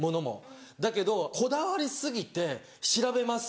だけどこだわり過ぎて調べます